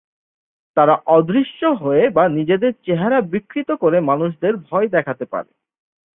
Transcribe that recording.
তারা অদৃশ্য হয়ে বা নিজেদের চেহারা বিকৃত করে মানুষদের ভয় দেখাতে পারে।